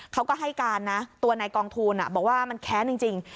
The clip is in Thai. เขาก็ให้การนะตัวในกองทูลอ่ะบอกว่ามันแค้นจริงจริง